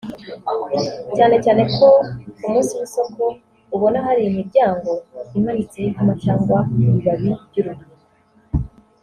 cyane cyane ku munsi w’isoko ubona hari imiryango imanitseho ikoma cyangwa ibibabi by’urubingo